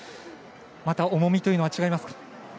また、重みというのは違いますか？